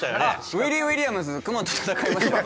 ウィリー・ウィリアムス熊と戦いましたもんね。